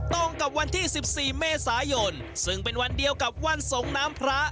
ตรงกับวันที่๑๔เมษายนซึ่งเป็นวันเดียวกับวันสงน้ำพระ